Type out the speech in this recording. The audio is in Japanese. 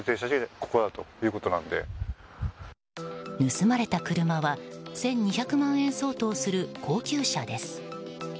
盗まれた車は１２００万円相当する高級車です。